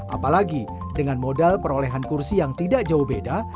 apalagi dengan modal perolehan kursi yang tidak jauh beda